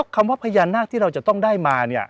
คำว่าพญานาคที่เราจะต้องได้มา